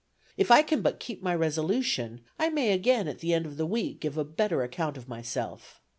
If I can but keep my resolution, I may again at the end of the week give a better account of myself.